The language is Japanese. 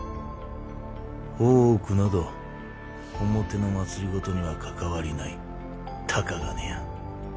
大奥など表の政には関わりないたかが閨。